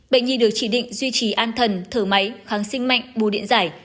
bệnh nhi được chỉ định duy trì an thần thở máy kháng sinh mạnh bù điện giải